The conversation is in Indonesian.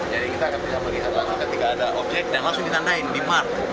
jadi kita bisa melihat langsung ketika ada objek dan langsung ditandain di mark